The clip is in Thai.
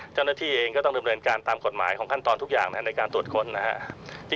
เจ้าหน้าที่เองก็ต้องดำเนินการตามกฎหมายของขั้นตอนทุกอย่างในการตรวจค้นนะครับ